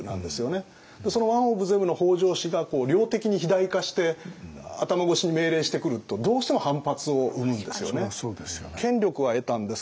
そのワンオブゼムの北条氏が量的に肥大化して頭越しに命令してくるとどうしても反発を生むんですよね。